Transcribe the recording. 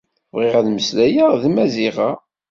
Bɣiɣ ad mmeslayeɣ d Maziɣa.